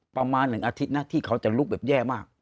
ประมาณ๑อาทิตย์นะที่เขาจะลุกแบบแย่มาก